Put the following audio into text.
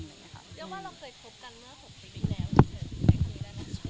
เรียกว่าเราเคยคบกันเมื่อ๖ปีแล้ว